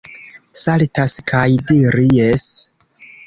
Saltas kaj diri jes.